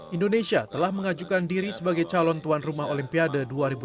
indonesia telah mengajukan diri sebagai calon tuan rumah olimpiade dua ribu dua puluh